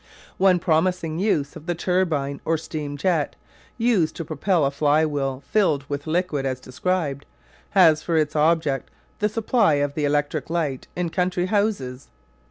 One promising use of the turbine or steam jet used to propel a fly wheel filled with liquid as described has for its object the supply of the electric light in country houses.